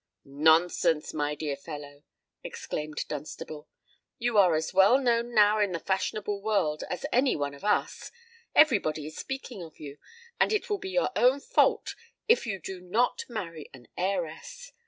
"Nonsense, my dear fellow!" exclaimed Dunstable: "you are as well known now in the fashionable world as any one of us. Every body is speaking of you; and it will be your own fault if you do not marry an heiress.